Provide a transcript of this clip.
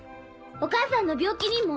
お母さんの病気にも？